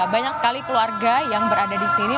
banyak sekali keluarga yang berada di sini